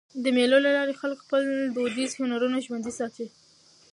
د مېلو له لاري خلک خپل دودیز هنرونه ژوندي ساتي.